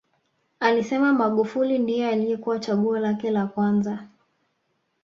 Alisema Magufuli ndiye aliyekuwa chaguo lake la kwanza